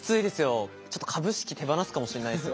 ちょっと株式手放すかもしれないっすよ。